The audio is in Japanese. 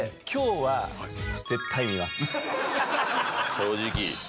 正直。